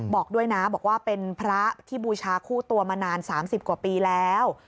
บอกด้วยนะบอกว่าเป็นพระที่บูชาคู่ตัวมานาน๓๐กว่าปีแล้ว